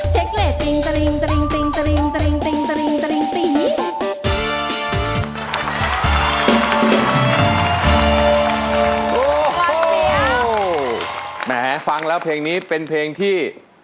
แหมฟังแล้วเพลงนี้เป็นเพลงที่